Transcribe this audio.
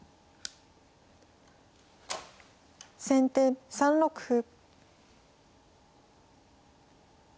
先手３六歩。